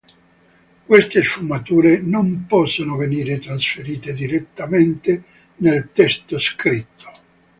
Queste sfumature non possono venire trasferite direttamente nel testo scritto.